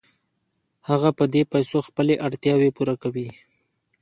هغه په دې پیسو خپلې اړتیاوې پوره کوي